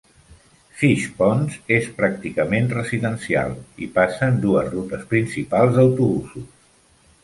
Fishponds és pràcticament residencial i passen dues rutes principals d'autobusos.